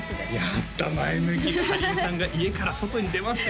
やった前向きかりんさんが家から外に出ますよ